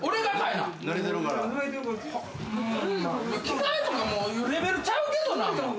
着替えとかいうレベルちゃうけどな。